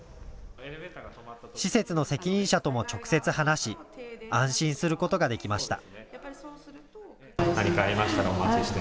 施設の責任者とも直接、話し安心することができました。